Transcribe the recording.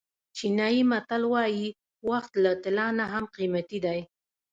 چینایي متل وایي وخت له طلا نه هم قیمتي دی.